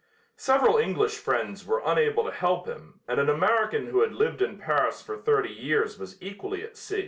Several English friends were unable to help him and an American who had lived in Paris for thirty years was equally at sea.